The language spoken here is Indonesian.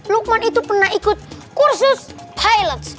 lukman itu pernah ikut kursus highlights